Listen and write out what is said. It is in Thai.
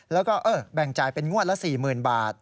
แล้วก็แบ่งจ่ายเป็นงวดละ๔๐๐๐บาท